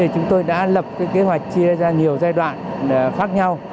chúng tôi đã lập kế hoạch chia ra nhiều giai đoạn khác nhau